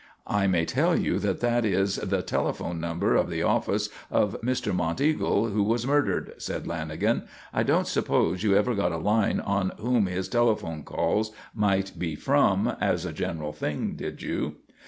"I may tell you that that is the telephone number of the office of Mr. Monteagle, who was murdered," said Lanagan. "I don't suppose you ever got a line on whom his telephone calls might be from as a general thing, did you?"